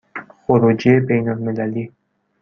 خروجی بین المللی